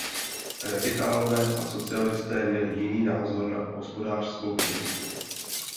Radikálové a socialisté měli jiný názor na hospodářskou politiku.